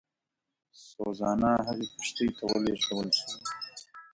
سوزانا هغې کښتۍ ته ولېږدول شوه.